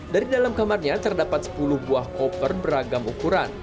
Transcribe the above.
dari dalam kamarnya terdapat sepuluh buah koper beragam ukuran